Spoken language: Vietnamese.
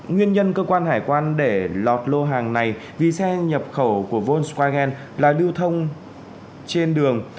nguyên nhân cơ quan hải quan để lọt lô hàng này vì xe nhập khẩu của volk swagen là lưu thông trên đường